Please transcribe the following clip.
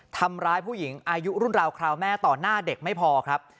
ทำร้ายผู้หญิงอายุรุ่นราวคราวแม่ต่อหน้าเด็กไม่พอครับ